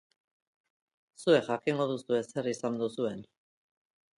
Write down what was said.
Zuek jakingo duzue zer izan duzuen.